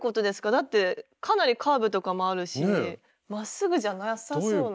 だってかなりカーブとかもあるしまっすぐじゃなさそうな。